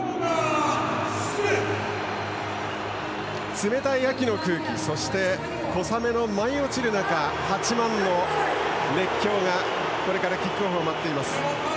冷たい秋の空気そして、小雨の舞い落ちる中８万の熱狂がこれからキックオフを待っています。